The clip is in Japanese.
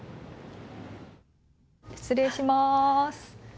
失礼します。